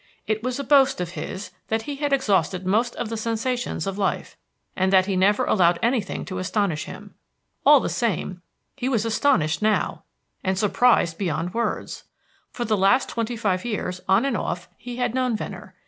It was a boast of his that he had exhausted most of the sensations of life, and that he never allowed anything to astonish him. All the same, he was astonished now, and surprised beyond words. For the last twenty five years, on and off, he had known Venner.